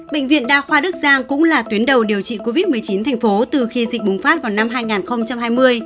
bệnh viện đa khoa đức giang cũng là tuyến đầu điều trị covid một mươi chín thành phố từ khi dịch bùng phát vào năm hai nghìn hai mươi